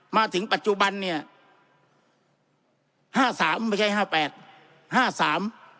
มาถึงปัจจุบันเนี้ยห้าสามไม่ใช่ห้าแปดห้าสาม